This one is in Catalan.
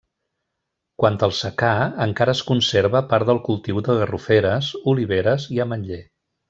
Quant al secà, encara es conserva part del cultiu de garroferes, oliveres i ametller.